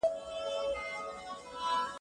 او «ارزښت» هماغه مڼه یا غنم و